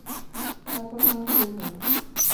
তার কথা আমাকে বলবে না।